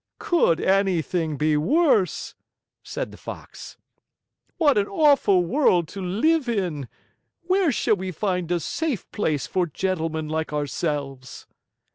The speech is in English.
"Could anything be worse?" said the Fox. "What an awful world to live in! Where shall we find a safe place for gentlemen like ourselves?"